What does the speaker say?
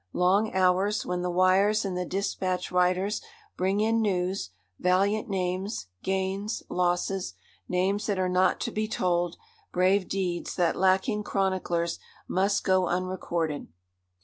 Long hours, when the wires and the dispatch riders bring in news, valiant names, gains, losses; names that are not to be told; brave deeds that, lacking chroniclers, must go unrecorded.